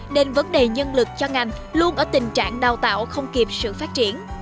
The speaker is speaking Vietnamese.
nên vấn đề nhân lực cho ngành luôn ở tình trạng đào tạo không kịp sự phát triển